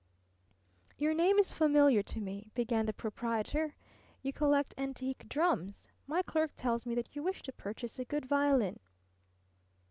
"Your name is familiar to me," began the proprietor. "You collect antique drums. My clerk tells me that you wish to purchase a good violin."